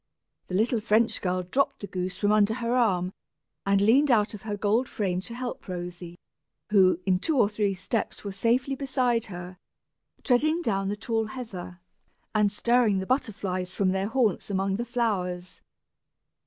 The little French girl dropped the goose from under her arm, and leaned out of her gold frame to help Rosy, who, in two or three steps was safely beside her, treading down the tall heather, and stirring the butterflies from their haunts among the flowers.